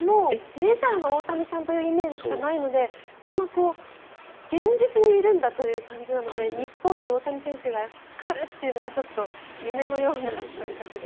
メジャーの大谷さんというイメージしかないのでそんな現実にいるんだという感じなので日本に大谷選手が来るというのがちょっと夢のような感覚です。